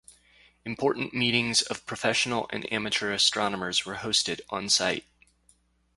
Important meetings of professional and amateur astronomers were hosted on site.